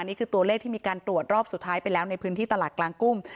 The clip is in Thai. นี่คือตัวเลขที่มีการตรวจรอบสุดท้ายไปแล้วในพื้นที่ตลาดกลางกุ้ง